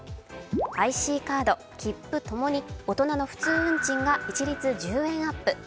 ＩＣカード、切符ともに大人の普通運賃が一律１０円アップ。